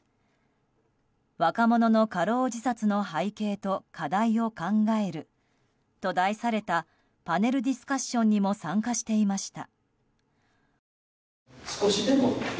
「若者の過労自殺の背景と課題を考える」と題されたパネルディスカッションにも参加していました。